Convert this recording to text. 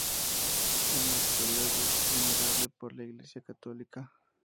En la actualidad es Venerable por la Iglesia Católica.